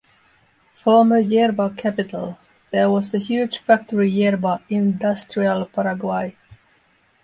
Former yerba capital, there was the huge factory yerba "Industrial Paraguaya".